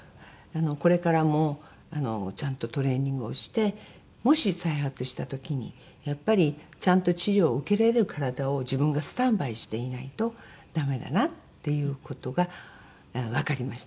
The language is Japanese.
これからもちゃんとトレーニングをしてもし再発した時にやっぱりちゃんと治療を受けられる体を自分がスタンバイしていないとダメだなっていう事がわかりました。